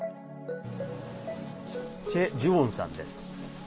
チェ・ジュウォンさんです。